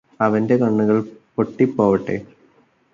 അവന്റെ കണ്ണുകൾ പൊട്ടിപോവട്ടെ